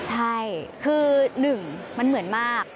ใช่คือหนึ่งมันเหมือนมาก